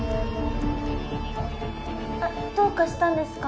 どうかしたんですか？